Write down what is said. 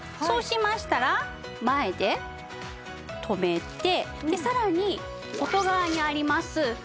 そうしましたら前でとめてさらに外側にあります